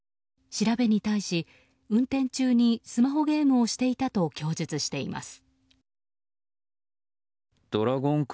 調べに対し、運転中にスマホゲームをしていたと供述しています。